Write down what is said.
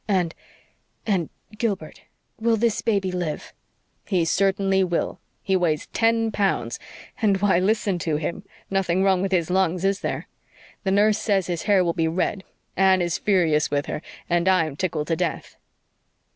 "And and Gilbert will this baby live?" "He certainly will. He weighs ten pounds and why, listen to him. Nothing wrong with his lungs, is there? The nurse says his hair will be red. Anne is furious with her, and I'm tickled to death."